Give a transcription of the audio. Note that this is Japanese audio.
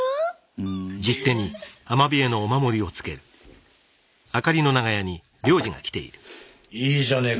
ふんいいじゃねぇか